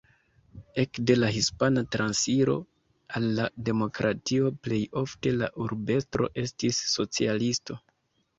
Ekde la Hispana Transiro al la demokratio plej ofte la urbestro estis socialisto.